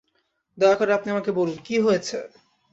দয়া করে আপনি আমাকে বলুন, কী হয়েছে।